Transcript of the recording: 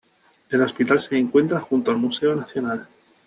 El hospital se encuentra junto al Museo Nacional.